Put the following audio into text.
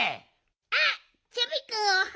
あっチョビくん